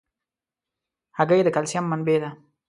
هګۍ د کلسیم منبع ده.